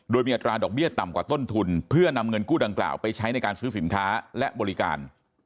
โดยมีอัตราดอกเบี้ยต่ำกว่าต้นทุนเพื่อนำเงินกู้ดังกล่าวไปใช้ในการซื้อสินค้าและบริการ